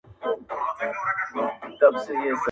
ياره د مُلا په قباله دې سمه~